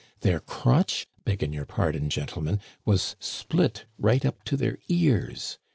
Their crotch, begging your pardon, gentlemen, was split right up to their ears.